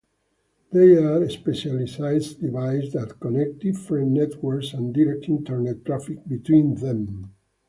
They are specialized devices that connect different networks and direct Internet traffic between them.